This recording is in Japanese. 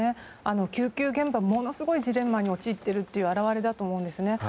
救急現場ものすごいジレンマに陥っている表れだと思うんですね。